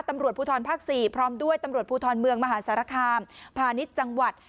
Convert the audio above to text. ตำรวจภูทรภาค๔พร้อมด้วยตำรวจภูทรเมืองมหาสารคามพาณิชย์จังหวัด